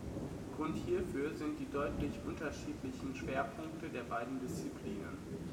Grund hierfür sind die deutlich unterschiedlichen Schwerpunkte der beiden Disziplinen.